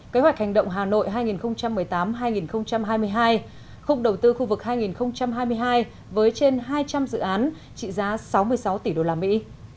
kế hoạch hành động hà nội hai nghìn một mươi tám hai nghìn hai mươi hai khung đầu tư khu vực hai nghìn hai mươi hai với trên hai trăm linh dự án trị giá sáu mươi sáu tỷ đô la mỹ